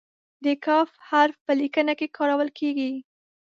د "ک" حرف په لیکنه کې کارول کیږي.